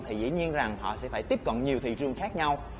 thì dĩ nhiên rằng họ sẽ phải tiếp cận nhiều thị trường khác nhau